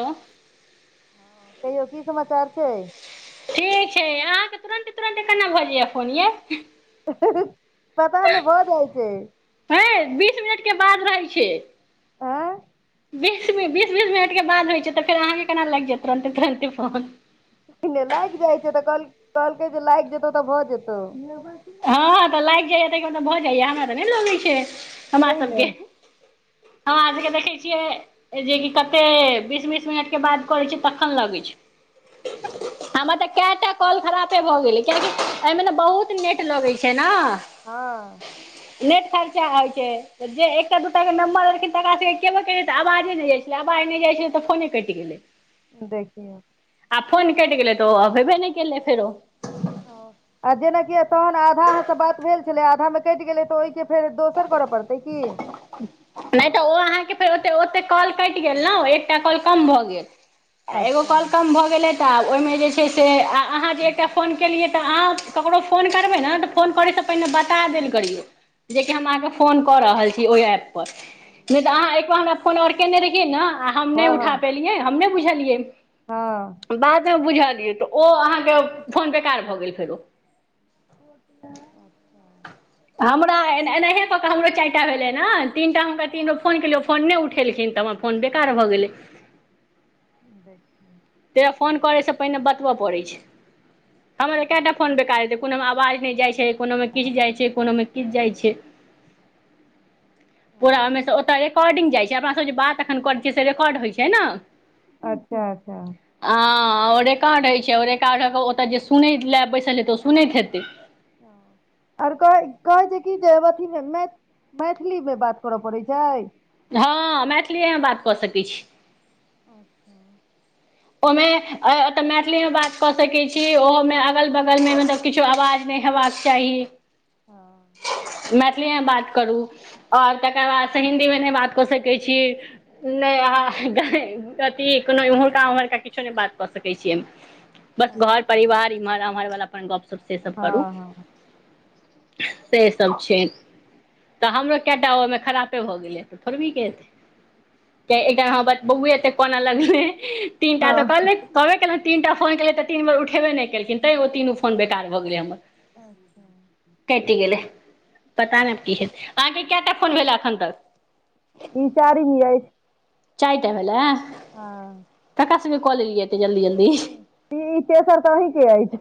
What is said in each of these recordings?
आं कहियो की समाचार छइ ठीक छै अहाँके तुरन्ते तुरन्ते केना भऽ जाइए फोन यै पता नै भऽ जाइ छै हैं बीस मिनट के बाद रहै छै आँ बीस बीस बीस मिनट के बाद होइ छै तऽ फेर अहाँके केना लाइग जायतुरते तुरन्ते फोन लागि जाइ छै तऽ कहलकै जे लागि जेतौ त भऽ जेतौ हँ हँ तऽ लागि जाइया त तऽ भऽ जाइया हमरा तऽ नहि लगै छै हमरा छै ने सबके ह आजके देखै छिये अ जेकि कते बीस बीस मिनट के बाद करै छै तखन लगैत छै कै टा कॉल खरापे भऽ गेले कियाकि ए मे ने बहुत नेट लगे छै छैना हँ नेट खर्चा होय छै त जे एकटा दूटा के नंबर देलखिन तकरा सब के त आवाजे ने जाय छै अबाज नै जाइ छै तऽ फोने कइटगेल देखिय आ फोन कैट गेलै त अभे भ नहि केलै फेरो ऊं आ जेनाकि तहन आधा अहाँसँ बात भेल छलै आधामे कटि गेलै तऽ ओहिके फेर दोसर कर पड़तै की नै तऽ ओ अहाँके फेर ओतेक कॉल कटि गेल ने एकटा कॉल कम भऽ गेल आ एगो अच्छा कॉल कम भऽ गेलै तऽ आब ओहिमे जे छै से आ आहाँ जे एकटा फोन केलियै तऽ अहाँ ककरो फोन करबै ने तऽ फोन करै स पीले बता देल करियौ देखि हम आहा के काल करै तौ ओइ ऐप पर नै तऽ अहाँ अच्छा एकबार हम अपन आओर केयने रहियै ने आ हम नहि हँ उठा हँ पेलियै हम नहि बुझलियै हँ बात में बुझलियै तऽ ओ अहाँके फोन बेकार भऽ गेल फेरो हमरा ए एनाहिए कऽ क हमर चा हइले न तीनटा हुनक तीनो फोन केलिय फोन नहि उठेलखिन तऽ हमरा फोन बेकार भऽ गेलै [inaudible] तेय फोन करयसँ पहिने बतबय पड़ैत छै हमर एके टा फोन बेकार हेतै कोनो मे आवाज नै जाय छै कोनो मे किछ जाइ छै कोनो मे किछ जाइ छै पूरा कॉर्डिंग जाइ छै अपना सब जे बात एखन करै छियै से रिकॉर्ड होइ छै ने अच्छा आ रेकॉर्ड होइत छै ओ रिकार्ड होके ओतय जे सुनैत लेलए बैसल हेतय ओ सुनैत हेतै आर कह कहै छै की जे मैथि मैथिली में बात करऽ पड़ैत छै हँ मैथिलीएमे बात कऽ सकैत छी [inaudible] ओहिमे तऽ मैथिलीमे बात कऽ सकैत छी ओहोमे अगल बगलमे मतलब किछो अवाज नहि हेबाक चाही हँ मैथिली में बात करू ओर तकर बादसँ हिन्दीमे नहि बात कऽ सकै छी नय आ गौ अथि कोनो इमहर का उमहर त किछ नहि बात कऽ सकै छी बस घर अच्छा परिवार इमहर उमहर वला गप से सब करू हँ हँ सेसब छनि तऽ हमरो कए टा ओहिमे खरापे भऽ गेलै तऽ थोड़बी कतै क्य एकटा में त‌ बौआ एते कानह लगलै तीनटा तऽ हँ कहले कहबे केलहुँ तीनटा फोन केललै तऽ तीन बेर उठबे नहि केलखिन तै ओ तीनू बेकार भऽ गेलै हमर [inaudible] कटि गेलै पता ने की हेतै अहाँके कैटा फोन भेलै एखन तक इ चारीम आ चार टा भेलै हँ कलेलियै ऐते जल्दी जल्दी त इ तेसर त अही के अछी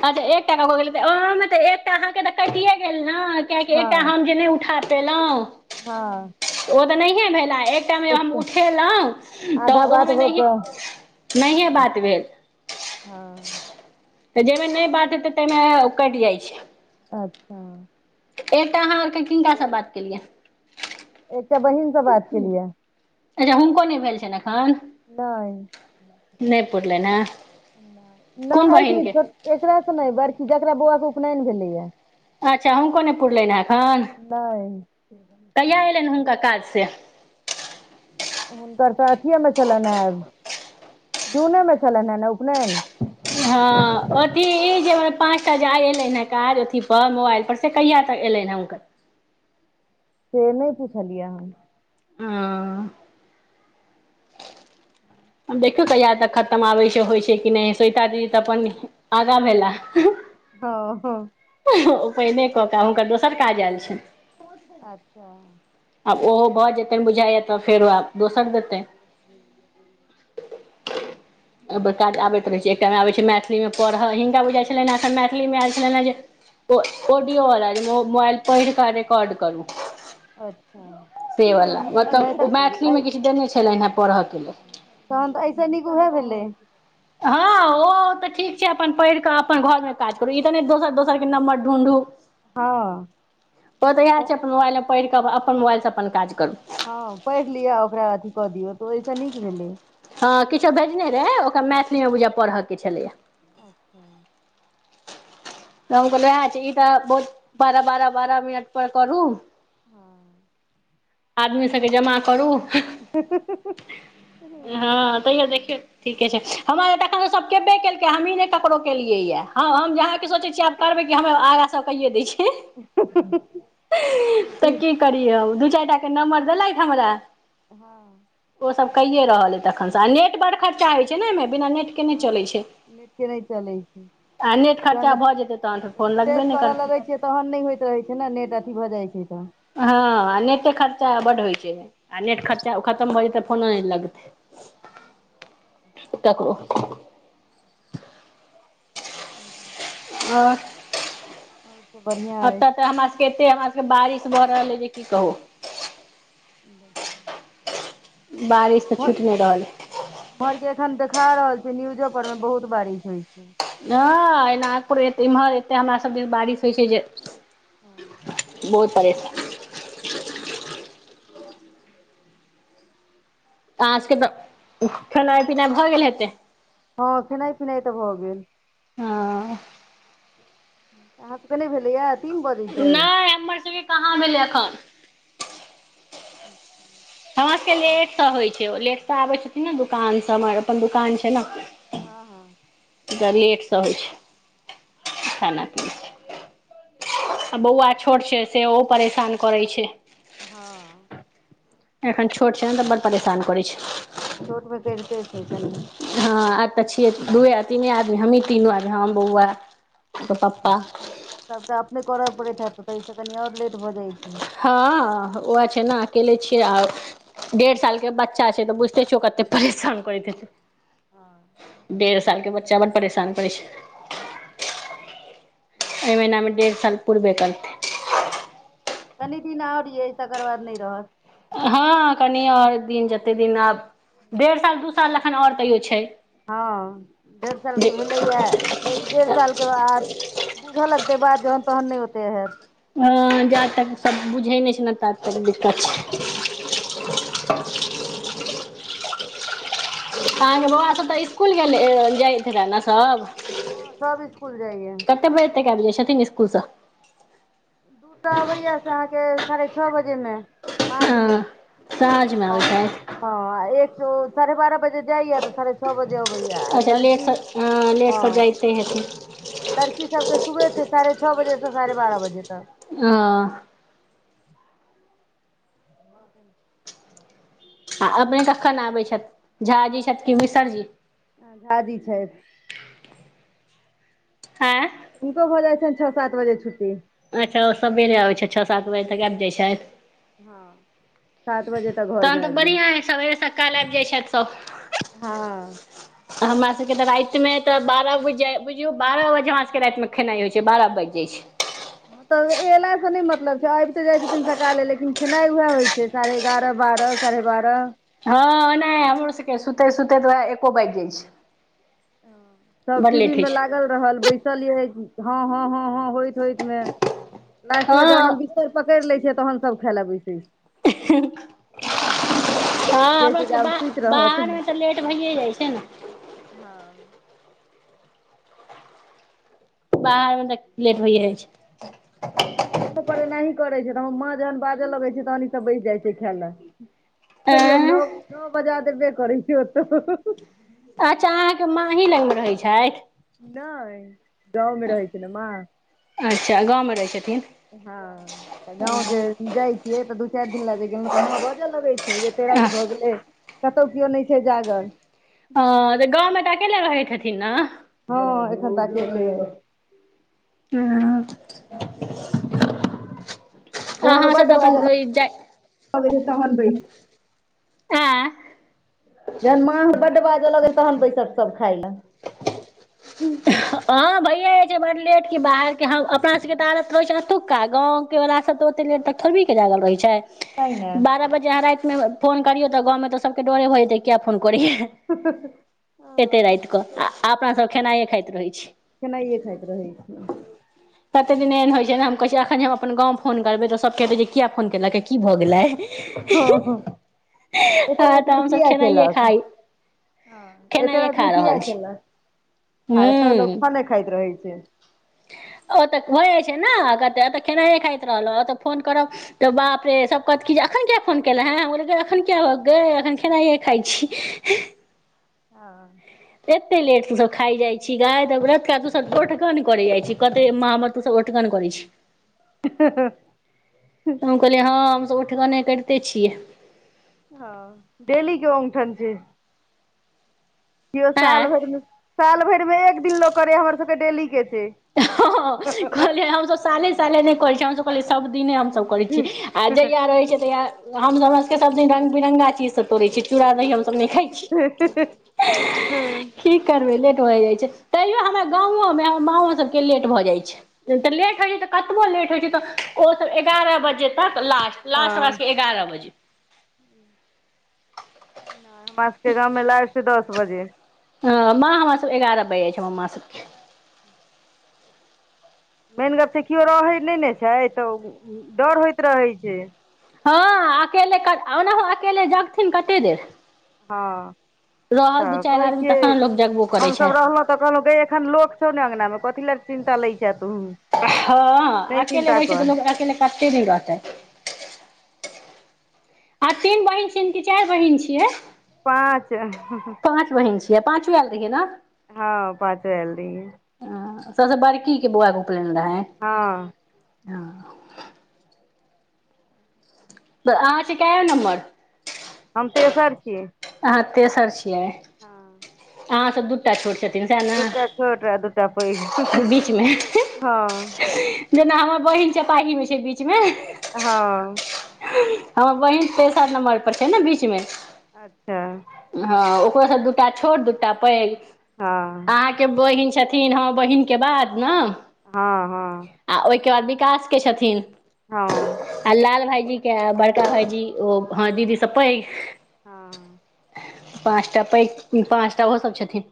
अच्छा एक टा क भऽ गेलै तऽ आहा मे तऽ एकटा अहाँके तऽ कटिए गेल ने कियाकि एकटा हँ हम जे नहि उठा पेलहुँ हँ [inaudible] ओ तऽ नहि भेला एकटा में हम उठेलहुँ तऽ आधा बात ओहोमे भऽ नहि कऽ नहिए बात भेल हँ तऽ जाहिमे नहि बात हेतै ताहिमे कटि जाइ छै अच्छा एकटा अहाँ आरके किनका से बात केलियै एकटा बहिनसँ बात केलिए अच्छा हुनको नहि भेल छनि एखन नहि नहि पुरलनि हेँ नहि कोन बहिनके [unintelligible] एकरास से नहि बड़की जकरा बौआ के उपनयन भेलैए अच्छा हुनको नहि पुरलनि हँ एखन नहि कहिया एयलनि हुनका काज से हुनकर तऽ अथिए मे छलैन है जूने मे छलैन है उपनयन हँ ओथी जे पाँचटा जे आय एलै हँ काज अथी पर मोबाइल पर से कहिआ तक एलनि हँ हुनकर से नहि पुछलियै आहा ह [inaudible] [inaudible] आब देखियौ कहिया तक खतम आबै छै होइ छै कि नहि स्वेता दीदी तऽ अपन आगा भेला हँ ह पहिने कऽ कऽ आब हुनकर दोसर काज आयल छनि अच्छा आब ओहो भऽ जेतइ बुझाइया तऽ फेरो आब दोसर दे बकाद आब [unintelligible] पैत छै एकटामे आबैत छै मैथिलीमे पढ़य हिनका बुझाइत छलनिँ एखन मैथिलीमे आयल छलनि हँ जे ऑडियोवला मोबइल पढि क रेेकॉर्ड करू अच्छा से वला नहि मतलब ओ मैथिली तऽ ऐ- में किछु देने छलनि है पढ़यके लेल तहन तऽ ऐस नीक उएह भेलै हँ ओ तऽ ठीक छै अपन पढ़ि के अपन घर में काज करू ई तऽ ने दोसर दोसरके नम्बर ढूढू हँ ओ तऽ इएह छै अपन मोबाइलमे पढ़िकऽ अपन मोबाइलसँ अपन काज करू हँ पढ़ि लियअ ओकरा अथी कऽ दियौ तऽ ओहिसँ नीक भेलै हँ किछो भेजने रहे ओकरा मैथिली मे बूझाइयै पढ़य के छलैएा [inaudible] त हम कहलहुए ई त बहुत बारह बारह बारह मिनट पर करू [inaudible] आदमी सबके जमा करू हँ तैयो देखियौ ठीके छै हमरा तखन त सब केबे केलकै हमहीँ नहि ककरो केलियै य हँ हम जहाँके सोचै छीयै आब करबै कि हम आगा सेकैे दै छी हूं ह हूं की करिय हम दू चारिटा के नम्बर देलथ हमरा ओ सब कैेये रहल अछि हमरा तखनसँ आ नेट बड़ खर्चा होइ छै ने एहिमे बिना नेट के नहि हँ चलै छै नेटे नै चलै आ नेट छै खर्चा भऽ जेतै तहन तऽ फोन लगबे रिफ्रेश नहि कर करतै लगै छिय त तहन नै होइत रहै छै ने नेट अथी भऽ जाइ छै तऽ हँ आ नेटे खर्चा बड होइ छै आ नेट खर्चा खतम भ जेतै फोनो नहि लगते ककरो ओर बत अतऽ तऽ हमरा सबके एते हमरा सबके बारिश भऽ रहल अइ जे की कहु बारिश त उम्हर छुटि नै रहलै उम्हर के एखन देखा रहल छय न्यूजो पर में बहुत बारिश होइ छै हं नागपुर इमहर एते हमरा सभ ज दिस बारिश होइ छै जे बहुत परेसा आहाँ सबके त खेनाइ पिनाइ भऽ गेल हेतै हँ खेनाइ पिनाइ तऽ भऽ गेल हं आहाँ सबके नै भेलैया तीन बजै छै नै हमर सबके कहाँ भेलै एखन हमरा सबके लेटसँ होइ छै ओ लेटसँ आबै छथिन न दुकानसँ हमर अपन दुकान छै ने हँ हँ त लेटसँ होइ छै खाना पीना आ बौआ छोट छै से ओ परेशान करै छै हँ एखन छोट छै न तऽ बड़ परेशान कर छै छोट में करिते छै कनि हँ आब तऽ छियै दूए तीने आदमी हमही तीनू आदमी हम बौआ ओकर अच्छा पप्पा त सबटा अपने करय पड़ैत ह त ताहिसँ कनि आओर लेट भऽ जाइत छै हँ उहे छै ने अकेले छियै आ डेढ़ साल के बच्चा छै तऽ बुझते छियो ओ कते परेशान करैत हेतै डेढ़ सालके बच्चा बड परेशान करै छै एहि महिनामे डेढ़ साल पूरबे करतै कनि दिन ओर यै तकर बाद नहि रहत हँ कनि आओर दिन जतेक दिन आब डेढ़ साल दू साल एखन आओर तैयो छै हँ डेढ़ साल के भेलैया एक डेढ़ साल के बाद बूझ लगतेै बात जहन तहन नहि होते है हँ जा तक सब बुझै नहि छै ने तात तक दिक्कत छै हँ अहाँके बौआ सब तऽ इसकुल जाइत छले ने सभ हँ सब इसकुल जाइये कते बजे तक आबि जाइ छथिन स्कूलसँ ओतऽ सअबैया से अहाँके साढ़े छओ बजेमे साँझमे हं साझ मे आ आबैय हँ एक साढ़े बारह बजे जाइय तऽ साढ़े छ बजे अबैया आ अच्छा लड़की लेटस हँ लेटसँ जाइते हेथिन लड़की सबके सुबह छै साढ़े छओ बजे से साढ़े बारह बजे तक हं आ अपने कखन आबै छथ झा जी छथि कि मिसरजी झाजी छै अय हुनको भ जाइ छनि छओ सात बजे छुट्टी अच्छा ओ सबेरे आबै छैथ छ सात बजे तक आबि जाइ हँ सात छथि बजे तक तहन घरमे तऽ आबि गेलहुँ बढ़िया अय सबेरे सकाल आइब जाइ छैथ त हँ हमरा सबके तऽ रातिमे तऽ बारह बजे बुझियौ बारह बजे हमरा सभके रातिमे खेनाइ होइ छै बारह बाजि जाइ छै तऽ एलास से नहि मतलब छै आबि तऽ जाइ छथिन सकाले लेकिन खेनाइ उएह होइ छै साढ़े एगार बारह साढ़े बारह हँ ओनाहि हमरो सब के सुतैत सुतैत त एको बाइज जाइ छै सब बड टीबी लेट होइ में ला छै गल रदल सुतल रहल बैसल यै ह ह ह ह होइत होइत मे लास्ट मे हँ ज पकड़ि लै छय तहन सब खाय ल बैसै छै हँ बुझै हमरो छै सबके जे आब बाह सुति रहत बाहरमे तऽ लेट भइए जाइ छै न हँ बाहरमे त लेट होइ जाइ छै गामो पर एनाही करै छै त हमर माँ जहन बाजऽ लगै छै तहन ईसभ बैस जाइ छै खाय लए तइयो नओ आँय नओ बजा देबे करै छै ओतौ अच्छा अहाँके माँ अही लगमे रहै छथि नय गाँवमे रहै छै ने म म रहै छथिन त गाँंव जे जाइ छियै तऽ दू चारि दिन ल जे गेलहुँ तऽ म बजऽ लगै छथिन जे एते राति भऽ गेलै कतहु केओ नै छै जागल हँ तऽ गाँवमे तऽ अकेले रहैत हेथिन न हँ एखन त अकेले अइ हं जहन ओ बड बाज लगबै तहन बैसतै ऐं जहन माँ हमर बड्ड बाजऽ लागत तहन बैसब सब खाय ल हँ भैयए जाइ छै बड लेट कि बाहरके अपना सबके तऽ आदत रहै छै एतुका गाँव कियौ राखत त ओते लेट तक थोरबी के जागल रहै छै तैं ने बारह बजे आंहा राति में फोन करियौ तऽ गाँवं तऽ सबके डोरे भजेतै किया फोन करै या एते राति क आ अपना सब खेनाइए खाइत रहै छी केेनाइए खाइत रहै छै कते दिन एहन होइ छै ने हम कहै छियै अखन हम अपन गाँव फोन करबै तऽ सभ कहतै जे अखन क किया फोन केलक की भऽ गेलै हँ तऽ हमसब खेनाइए खाइ छी हं एते खेनाइए रातिमे खा किया रहल केलक आ एत लोक खाने खाइत रहै छै ओतऽ हो जाइ छै ने एतऽ खेनाइए खाइत रहलौ ओतऽ फोन करब तऽ बाप रे सब कहत कि जे एखन किया फोन केलेँ है हम कहलियै एखन किया ह गे एखन खेनाइयए खाइ छी हं एते लेट स सब खाय जाइ छी गय त बर्त कर तुम सब ओठगन करै जाइत छी कते म हमर तू सब ओठगन करै छी हं हम कहलियै हँ हमसब उठगने करिते छियै हँ डेली के उंगठन छै कियो साल आँय भरि में साल भरि मे एक दिन लोग करे हमर सबके डेली के छै हं कहलिय हम सब साले साले नहि करै छी हमस कहलियै सब दिने हम सब करै छियै आ जहिया रहै छै तहिय हम सबक सब दिन रंग बिरङगा चीज सब तोड़े छी चूड़ा दही सब नै खाइ छी हँ की करबै लेट भए जाइ छै तैयो हमरा गाँवो मे हमर माँओ सबके लेट भऽ जाइ छै तऽ लेट होइ छै तऽ कतबो लेट होइ छै तऽ ओसब एगारह बजे तक लास्ट लास्ट ओकरा हमरा सबके एगारह बजे हमरा सब के गांवमे लास्ट दस बजे हं माँ हमर सब एगारह बज जा छै हमर माँ सभके मेन गप छै किओ रहै नहि ने छै तऽ डर भ जाइत रहैत छै हँ अकेल ओनाहूं अकेले जगथिन कते देर हँ रहल दू तऽ चारि कहै आदमी छियै तखन ने लोक जगबो करै छै हमसभ रहलहुँ तऽ कहलहु गे एखन लोक छौ ने अँंगना मे कथी लए चिन्ता लै छ तू हँ नहि अकेले चिन्ता रहै छै कर तऽ लोको अकेले कते दिन रहतै आ तीन बहिन छियै कि चारि बहन छियै पाँच पाँच बहिन छियै पाँचो आयल रहि ने हँ पाँचो आयल रहीयै सबस बड़की के बौआके उपनैन रहैन हँ त आहा के कायम नम्बर हम तेसर छीय आहाँ तेसर छियै हँ आंहा स दूदू का छोट छथिन सैह दूटा छोट आ दूटा पैघ ने बीच मे हँ जेना हमर बहिन चपाही में छै बीचमे हँ हमर बहिन तेसर नम्बर पर छै ने बीचमे अच्छा हँ ओकरोसँ दूटा छोट दूटा पैघ हँ के बहिन छथिन हं बहिन के बाद ने हँ हँ आ ओहिके बाद विकासके छथिन हँ आ लाल भाईजी के बड़का भाईजी ओ हँ दीदी स पैघ हँ पाँचटा पैघ पाँचटा ओहो सब छथिन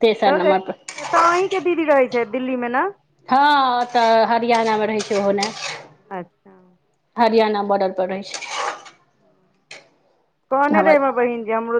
तेसर तऽ ए- नमर पर एतऽ अहीं के दीदी रहै छै दिल्ली में न हँ ओ तऽ हरियाणा में रहैत छै ओहोना अच्छा हरियाणा बॉर्डर पर रहै छै कहने रहै हमर बहिन जे हमरो